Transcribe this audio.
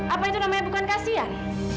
apa itu namanya bukan kasian